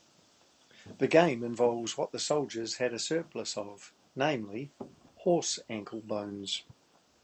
The game involves what the soldiers had a surplus of; namely, horse anklebones.